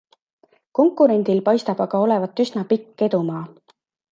Konkurendil paistab aga olevat üsna pikk edumaa.